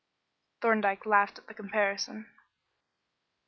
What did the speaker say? Thorndyke laughed at the comparison.